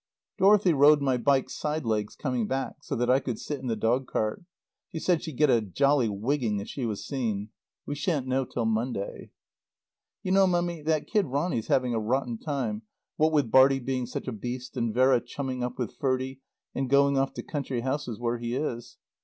Dorothy rode my bike stridelegs coming back, so that I could sit in the dog cart. She said she'd get a jolly wigging if she was seen. We shan't know till Monday. You know, Mummy, that kid Ronny's having a rotten time, what with Bartie being such a beast and Vera chumming up with Ferdie and going off to country houses where he is.